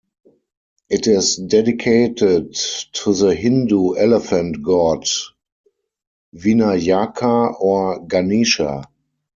It is dedicated to the Hindu elephant god Vinayaka or Ganesha.